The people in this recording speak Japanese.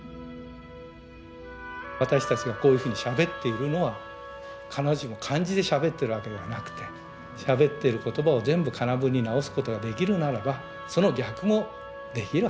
私たちがこういうふうにしゃべっているのは必ずしも漢字でしゃべってるわけではなくてしゃべっている言葉を全部かな文に直すことができるならばその逆もできるはずだと。